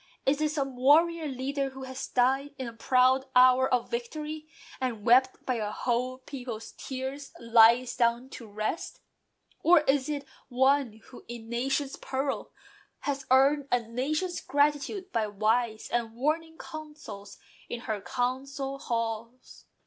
Is it some warrior leader, who has died In the proud hour of victory; and, wept By a whole people's tears, lies down to rest? Or is it one who, in a nation's peril, Has earned a nation's gratitude by wise And warning counsels in her council halls?